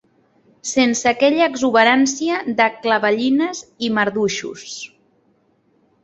Sense aquella exuberància de clavellines i marduixos